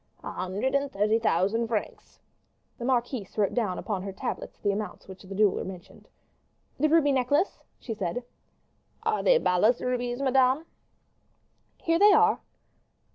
"A hundred and thirty thousand francs." The marquise wrote down upon her tablets the amount which the jeweler mentioned. "The ruby necklace?" she said. "Are they balas rubies, madame?" "Here they are."